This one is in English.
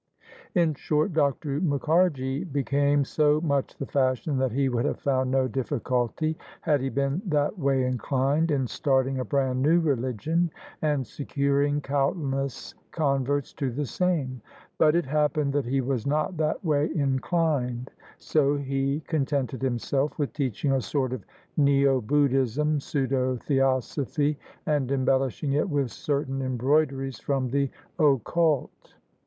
In short. Dr. Mukharji became so much the fashion that he would have found no diflSiculty, had he been that way inclined, in starting a brand new religion and securing countless converts to the same: but it happened that he was not that way inclined: so he contented himself with teaching a sort of neo Buddhism, Pseudo Theosophy, and embellishing it with cer tain embroideries from the occult.